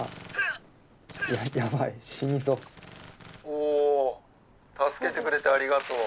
「お助けてくれてありがとう」